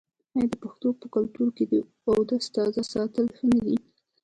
آیا د پښتنو په کلتور کې د اودس تازه ساتل ښه نه دي؟